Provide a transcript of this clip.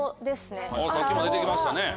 さっきも出て来ましたね。